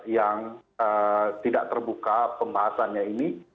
yang tidak terbuka pembahasannya ini